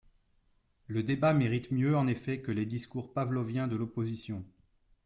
Le débat mérite mieux en effet que les discours pavloviens de l’opposition.